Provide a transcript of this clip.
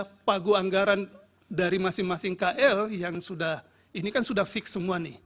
ada pagu anggaran dari masing masing kl yang sudah ini kan sudah fix semua nih